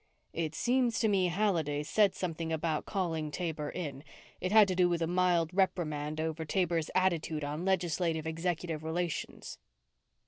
"It seems to me Halliday said something about calling Taber in. It had to do with a mild reprimand over Taber's attitude on legislative executive relations."